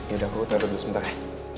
yaudah aku taruh dulu sebentar ya